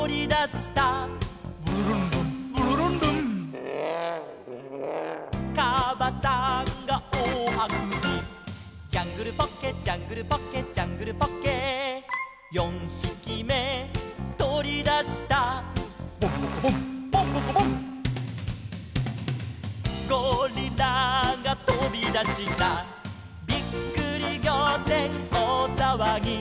「ブルルンルンブルルンルン」「かばさんがおおあくび」「ジャングルポッケジャングルポッケ」「ジャングルポッケ」「四ひきめとり出した」「ボンボコボンボンボコボン」「ゴリラがとび出した」「びっくりぎょうてんおおさわぎ」